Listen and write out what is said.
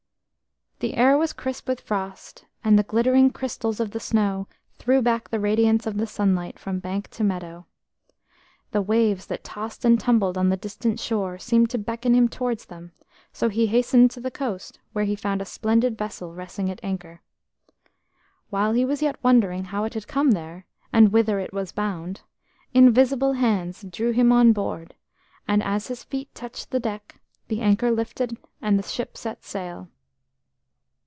The air was crisp with frost, and the glittering crystals of the snow threw back the radiance of the sunlight from bank to meadow. The waves that tossed and tumbled on the distant shore seemed to beckon him towards them, so he hastened to the coast, where he found a splendid vessel resting at anchor. While he was yet wondering how it had come there, and whither it was bound, invisible hands drew him on board, and, as his feet touched the deck, the anchor lifted, and the ship set sail.